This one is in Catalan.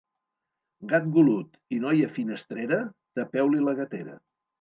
Gat golut i noia finestrera, tapeu-li la gatera.